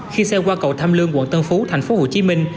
khi xe qua cầu tham lương quận tân phú thành phố hồ chí minh